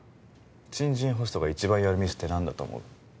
新人ホストが一番やるミスって何だと思う？